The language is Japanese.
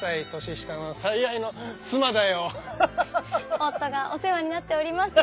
夫がお世話になっております。